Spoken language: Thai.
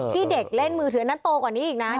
ที่เด็กเล่นมือถือโตกว่านี้อีกนะ